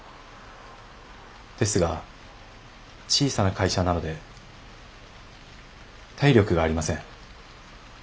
ですが小さな会社なので体力がありません。